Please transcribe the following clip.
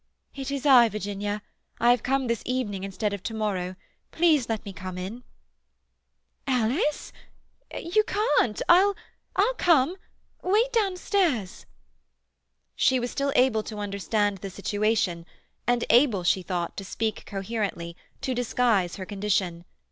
"It is I, Virginia. I have come this evening instead of to morrow. Please let me come in." "Alice? You can't—I'll come—wait downstairs." She was still able to understand the situation, and able, she thought, to speak coherently, to disguise her condition.